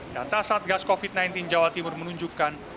data satgas covid sembilan belas jawa timur menunjukkan